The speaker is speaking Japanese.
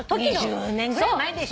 ２０年ぐらい前でしょ？